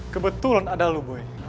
kebetulan ada lo boy